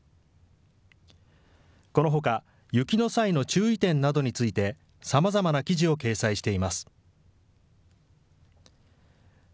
このほか、雪の際の注意点などについて、さまざまな記事を掲載しています。